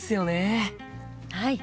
はい。